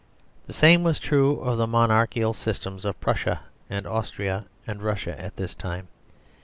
The same was true of the monarchical systems of Prussia and Austria and Russia at this time.